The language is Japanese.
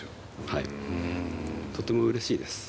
はいとてもうれしいです。